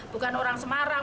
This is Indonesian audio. bukan orang semarang